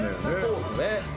そうですね。